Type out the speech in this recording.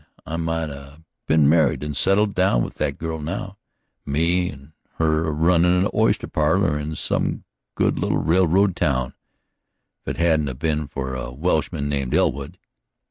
I might 'a' been married and settled down with that girl now, me and her a runnin' a oyster parlor in some good little railroad town, if it hadn't 'a' been for a Welshman name of Elwood.